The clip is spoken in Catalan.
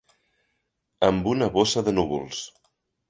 Amb una bossa de núvols.